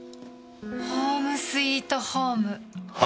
ホームスイートホーム。は？